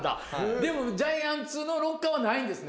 でもジャイアンツのロッカーはないんですね。